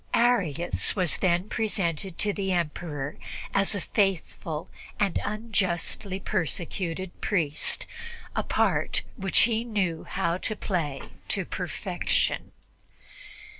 Arius was then presented to the Emperor as a faithful and unjustly persecuted priest, a part which he knew how to play to perfection.